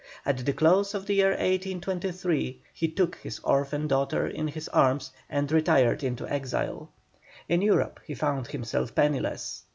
At the close of the year 1823 he took his orphan daughter in his arms and retired into exile. In Europe he found himself penniless.